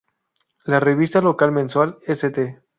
La revista local mensual "St.